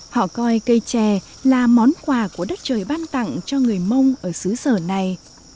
họ coi cây trẻ là món quà của đất trời ban tặng cho người mông ở xứ sở này